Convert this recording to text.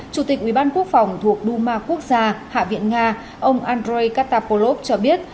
chủ tịch ubq thuộc duma quốc gia hạ viện nga ông andrei katapolov cho biết